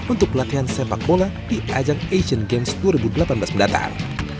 untuk pelatihan sepak bola di ajang asian games dua ribu delapan belas mendatang